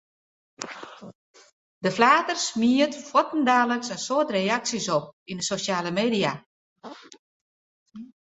De flater smiet fuortendaliks in soad reaksjes op yn de sosjale media.